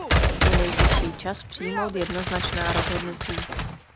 Je nejvyšší čas přijmout jednoznačná rozhodnutí.